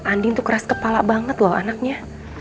andin tuh keras kepala banget loh anaknya